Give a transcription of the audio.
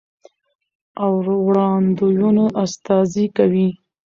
او وړاندوينو استازي کوي،